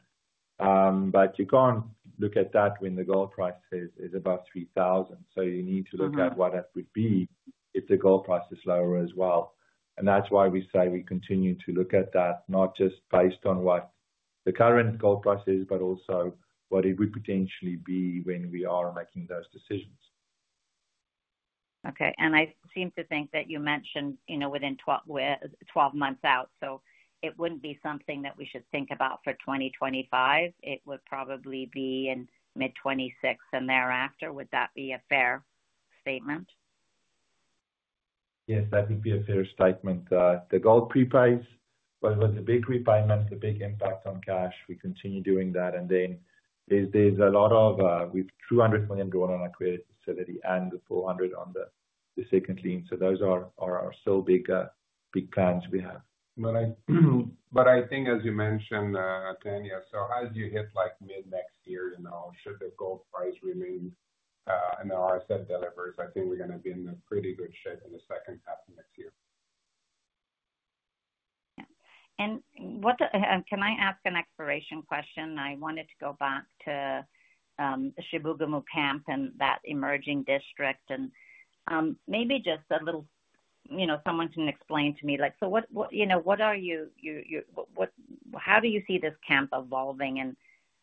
You cannot look at that when the gold price is above $3,000. You need to look at what that would be if the gold price is lower as well. That is why we say we continue to look at that, not just based on what the current gold price is, but also what it would potentially be when we are making those decisions. Okay. I seem to think that you mentioned within 12 months out. It would not be something that we should think about for 2025. It would probably be in mid-2026 and thereafter. Would that be a fair statement? Yes, that would be a fair statement. The gold prepay, what was the big refinement, the big impact on cash, we continue doing that. There is a lot of—we have $200 million drawn on our credit facility and the $400 million on the second lien. Those are still big plans we have. I think, as you mentioned, Tanya, as you hit mid-next year, should the gold price remain and our asset delivery, I think we are going to be in pretty good shape in the second half of next year. Yeah. Can I ask an exploration question? I wanted to go back to Chibougamau camp and that emerging district. Maybe just a little—someone can explain to me. What are you—how do you see this camp evolving, and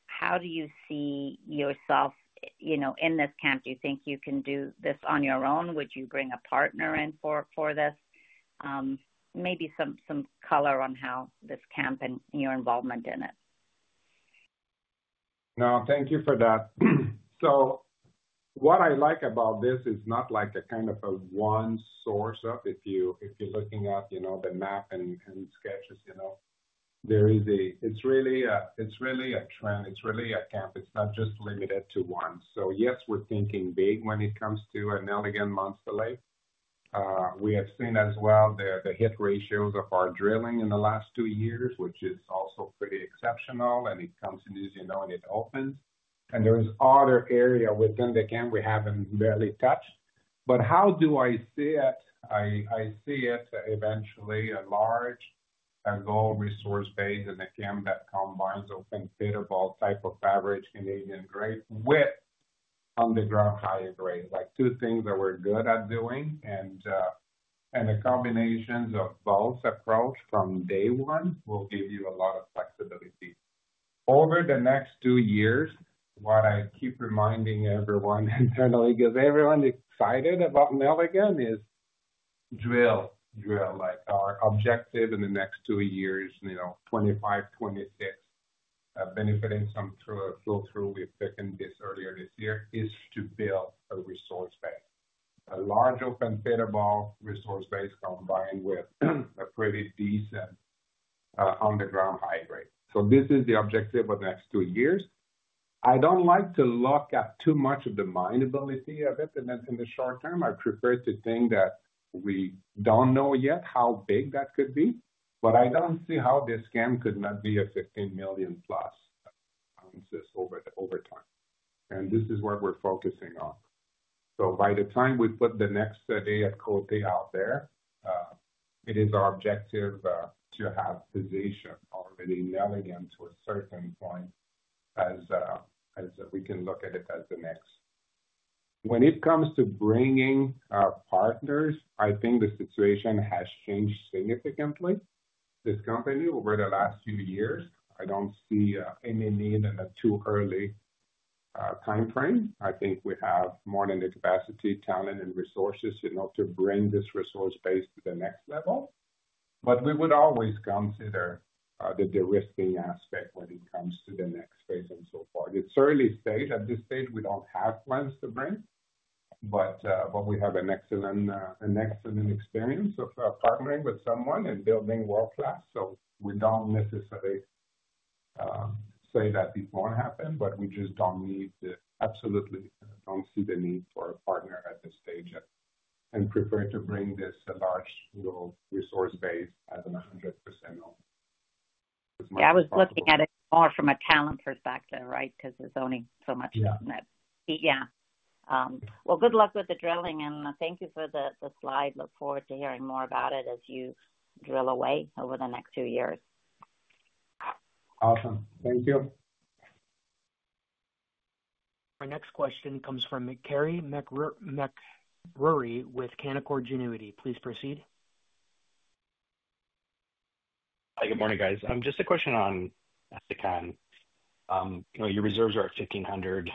how do you see yourself in this camp? Do you think you can do this on your own? Would you bring a partner in for this? Maybe some color on how this camp and your involvement in it. No, thank you for that. What I like about this is not like a kind of a one source of—if you're looking at the map and sketches, there is a—it's really a trend. It's really a camp. It's not just limited to one. Yes, we're thinking big when it comes to Nelligan Monster Lake. We have seen as well the hit ratios of our drilling in the last two years, which is also pretty exceptional. It continues when it opens. There is other area within the camp we haven't barely touched. How do I see it? I see it eventually a large gold resource base in a camp that combines open pit of all type of average Canadian grade with underground higher grade. Two things that we're good at doing. The combinations of both approach from day one will give you a lot of flexibility. Over the next two years, what I keep reminding everyone internally, because everyone's excited about Nelligan, is drill, drill. Our objective in the next two years, 2025, 2026, benefiting some through a full through. We have taken this earlier this year, is to build a resource base, a large open pit of all resource base combined with a pretty decent underground high grade. This is the objective of the next two years. I do not like to look at too much of the mineability of it. In the short term, I prefer to think that we do not know yet how big that could be. I do not see how this camp could not be a 15+ million ounces over time. This is what we are focusing on. By the time we put the next day at Côté out there, it is our objective to have position already in Nelligan to a certain point as we can look at it as the next. When it comes to bringing partners, I think the situation has changed significantly, this company, over the last few years. I don't see any need in a too early time frame. I think we have more than the capacity, talent, and resources to bring this resource base to the next level. We would always consider the risking aspect when it comes to the next phase and so forth. It's early stage. At this stage, we don't have plans to bring. We have an excellent experience of partnering with someone and building world class. We do not necessarily say that it will not happen, but we just do not see the need for a partner at this stage and prefer to bring this large resource base at 100%. Yeah. I was looking at it more from a talent perspective, right, because there is only so much of that. Yeah. Good luck with the drilling. Thank you for the slide. I look forward to hearing more about it as you drill away over the next two years. Awesome. Thank you. Our next question comes from Carey MacRury with Canaccord Genuity. Please proceed. Hi. Good morning, guys. Just a question on Essakane. Your reserves are at $1,500. I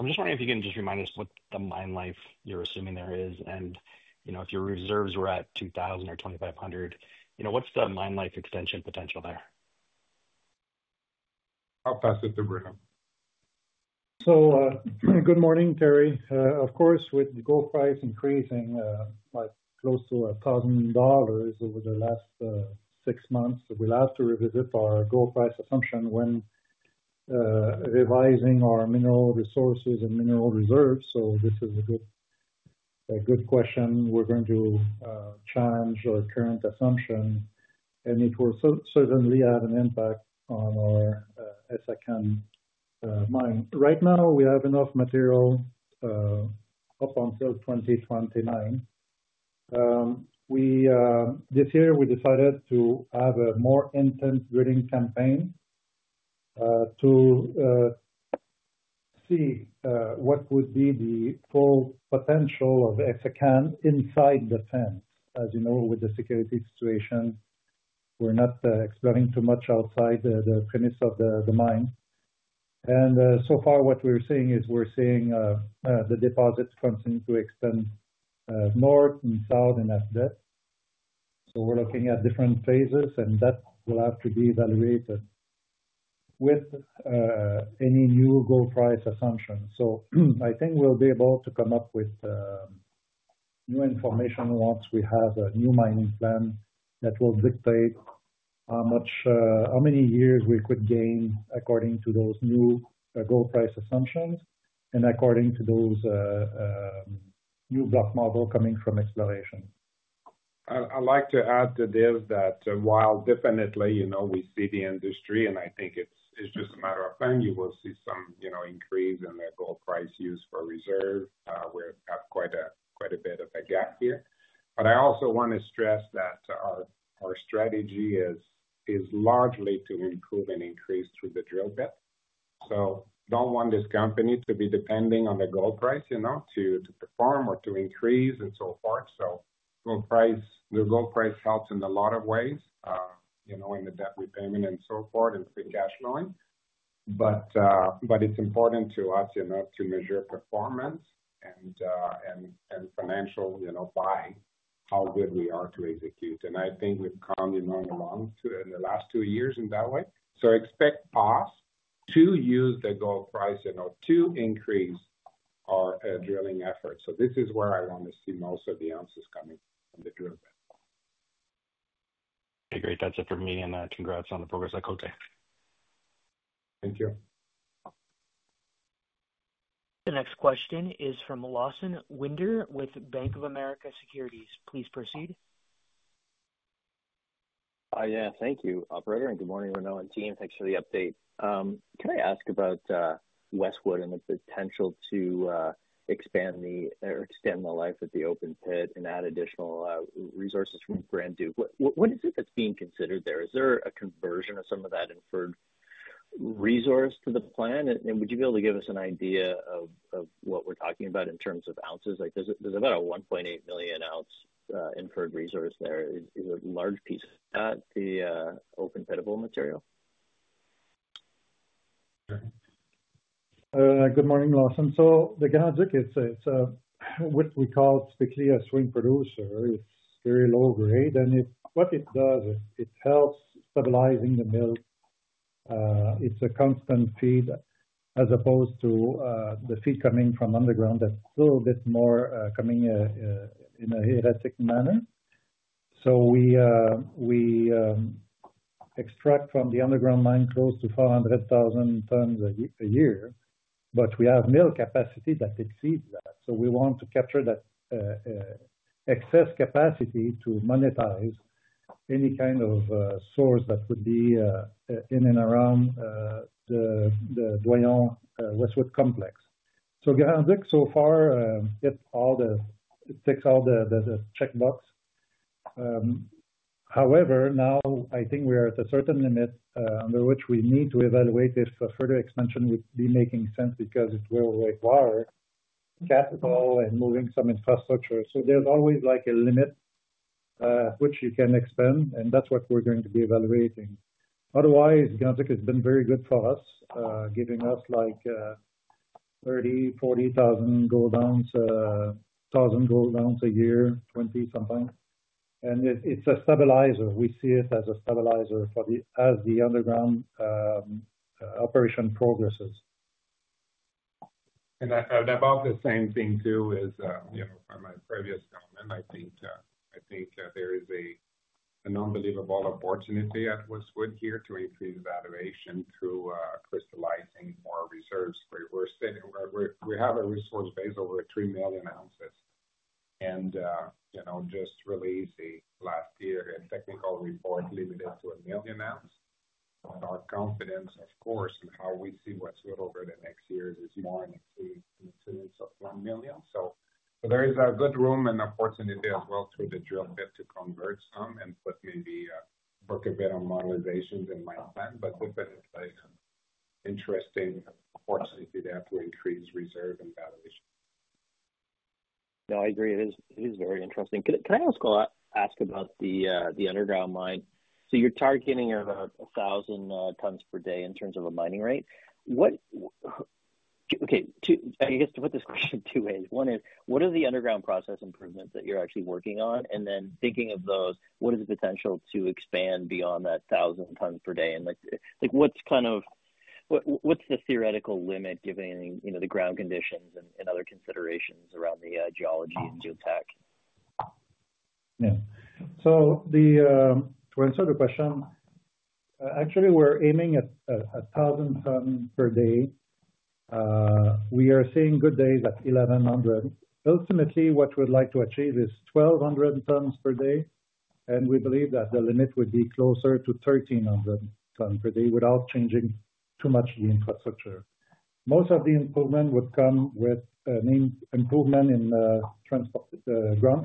am just wondering if you can remind us what the mine life you are assuming there is. If your reserves were at $2,000 or $2,500, what is the mine life extension potential there? I'll pass it to Bruno. Good morning, Carey. Of course, with the gold price increasing close to $1,000 over the last six months, we'll have to revisit our gold price assumption when revising our mineral resources and mineral reserves. This is a good question. We're going to challenge our current assumption. It will certainly have an impact on our Essakane mine. Right now, we have enough material up until 2029. This year, we decided to have a more intense drilling campaign to see what would be the full potential of Essakane inside the tenement. As you know, with the security situation, we're not exploring too much outside the premise of the mine. So far, what we're seeing is we're seeing the deposits continue to extend north and south and up there. We're looking at different phases, and that will have to be evaluated with any new gold price assumption. I think we'll be able to come up with new information once we have a new mining plan that will dictate how many years we could gain according to those new gold price assumptions and according to those new block models coming from exploration. I'd like to add to this that while definitely we see the industry, and I think it's just a matter of time, you will see some increase in the gold price use for reserve. We have quite a bit of a gap here. I also want to stress that our strategy is largely to improve and increase through the drill bit. I don't want this company to be depending on the gold price to perform or to increase and so forth. The gold price helps in a lot of ways in the debt repayment and so forth and the cash flowing. It is important to us to measure performance and financial buying, how good we are to execute. I think we have come along in the last two years in that way. Expect us to use the gold price to increase our drilling efforts. This is where I want to see most of the answers coming from the drill bit. Okay. Great. That is it for me. Congrats on the progress at Côté. Thank you. The next question is from Lawson Winder with Bank of America Securities. Please proceed. Yeah. Thank you, Operator. Good morning, Renaud and team. Thanks for the update. Can I ask about Westwood and the potential to extend the life of the open pit and add additional resources from brand new? What is it that's being considered there? Is there a conversion of some of that inferred resource to the plan? And would you be able to give us an idea of what we're talking about in terms of ounces? There's about a 1.8 million ounce inferred resource there. Is it a large piece of that, the open pitable material? Bruno? Good morning, Lawson. So the Ganadzik, it's what we call strictly a swing producer. It's very low grade. And what it does, it helps stabilizing the mill. It's a constant feed as opposed to the feed coming from underground that's a little bit more coming in a heretic manner. So we extract from the underground mine close to 500,000 tons a year. But we have mill capacity that exceeds that. We want to capture that excess capacity to monetize any kind of source that would be in and around the Doyon Westwood complex. Ganadzik, so far, it ticks all the checkbox. However, now I think we are at a certain limit under which we need to evaluate if further expansion would be making sense because it will require capital and moving some infrastructure. There is always a limit at which you can expand. That is what we are going to be evaluating. Otherwise, Ganadzik has been very good for us, giving us 30,000-40,000 gold ounce, 1,000 gold ounce a year, 20,000 sometimes. It is a stabilizer. We see it as a stabilizer as the underground operation progresses. About the same thing too as my previous comment. I think there is an unbelievable opportunity at Westwood here to increase valuation through crystallizing more reserves. We have a resource base over 3 million ounces. And just really easy last year, a technical report limited to a million ounce. Our confidence, of course, in how we see Westwood over the next years is more in the incidence of 1 million. So there is a good room and opportunity as well through the drill bit to convert some and put maybe a bit on monetization in my plan. But we've been in place. Interesting opportunity there to increase reserve and valuation. No, I agree. It is very interesting. Can I ask about the underground mine? So you're targeting 1,000 tons per day in terms of a mining rate. Okay. I guess to put this question two ways. One is, what are the underground process improvements that you're actually working on? And then thinking of those, what is the potential to expand beyond that 1,000 tons per day? What's the theoretical limit given the ground conditions and other considerations around the geology and geotech? Yeah. To answer the question, actually, we're aiming at 1,000 tons per day. We are seeing good days at 1,100. Ultimately, what we'd like to achieve is 1,200 tons per day. We believe that the limit would be closer to 1,300 tons per day without changing too much the infrastructure. Most of the improvement would come with an improvement in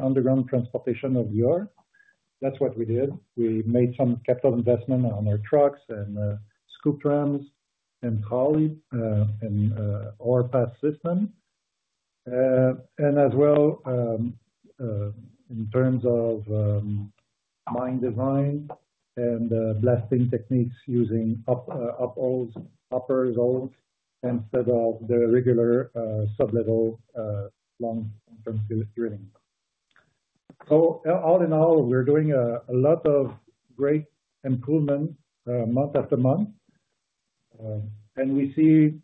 underground transportation of the ore. That's what we did. We made some capital investment on our trucks and scoop trams and trolley and ore pass system. As well, in terms of mine design and blasting techniques using upper zones instead of the regular sub-level long-term drilling. All in all, we're doing a lot of great improvement month after month. We see,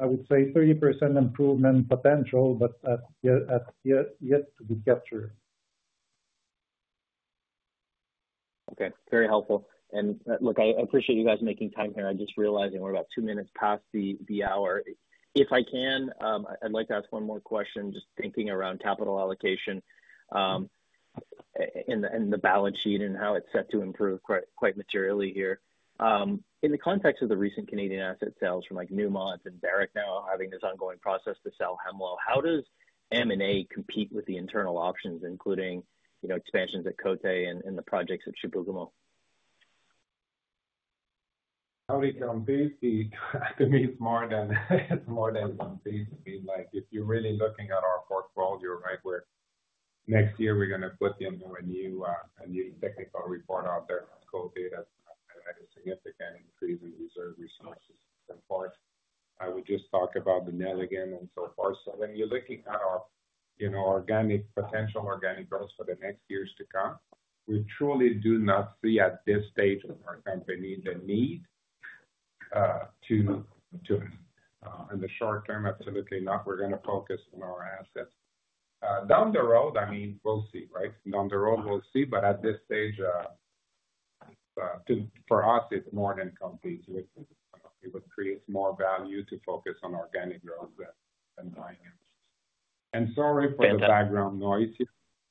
I would say, 30% improvement potential, but yet to be captured. Okay. Very helpful. Look, I appreciate you guys making time here. I'm just realizing we're about two minutes past the hour. If I can, I'd like to ask one more question just thinking around capital allocation and the balance sheet and how it's set to improve quite materially here. In the context of the recent Canadian asset sales from Newmont and Barrick now having this ongoing process to sell Hemlo, how does M&A compete with the internal options, including expansions at Côté and the projects at Chibougamau? How it competes? To me, it's more than compete. I mean, if you're really looking at our portfolio, right, where next year we're going to put in a new technical report out there for Côté that had a significant increase in reserve resources so far. I would just talk about the Nelligan and so forth. When you're looking at our potential organic growth for the next years to come, we truly do not see at this stage of our company the need to. In the short term, absolutely not. We're going to focus on our assets. Down the road, I mean, we'll see, right? Down the road, we'll see. At this stage, for us, it's more than compete. It would create more value to focus on organic growth than buying assets. Sorry for the background noise.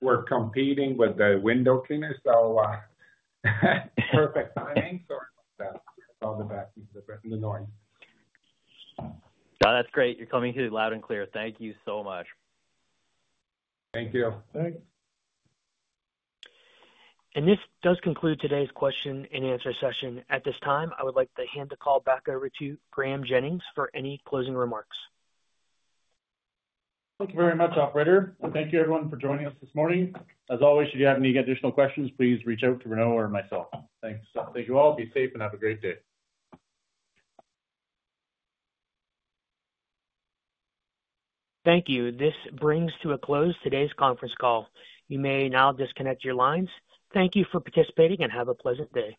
We're competing with the window cleaners. Perfect timing. Sorry about that. Sorry about the noise. That's great. You're coming through loud and clear. Thank you so much. Thank you. Thanks. This does conclude today's question-and-answer session. At this time, I would like to hand the call back over to Graeme Jennings for any closing remarks. Thank you very much, Operator. Thank you, everyone, for joining us this morning. As always, should you have any additional questions, please reach out to Renaud or myself. Thanks. Thank you all. Be safe and have a great day. Thank you. This brings to a close today's conference call. You may now disconnect your lines. Thank you for participating and have a pleasant day.